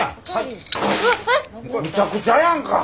むちゃくちゃやんか。